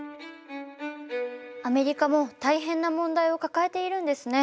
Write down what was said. アメリカも大変な問題を抱えているんですね。